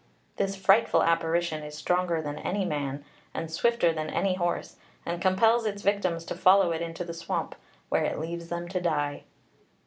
This frightful apparition is stronger than any man, and swifter than any horse, and compels its victims to follow it into the swamp, where it leaves them to die.